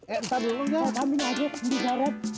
entar dulu ya